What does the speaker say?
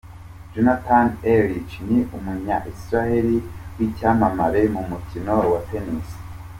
Jonathan Erlich ni umunya Israel w’icyamamare mu mukino waTennis.